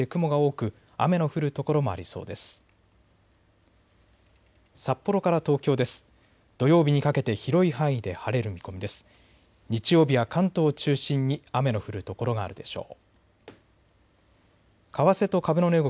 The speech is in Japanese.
日曜日は関東を中心に雨の降る所があるでしょう。